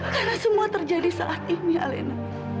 karena semua terjadi saat ini alena